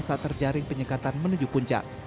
saat terjaring penyekatan menuju puncak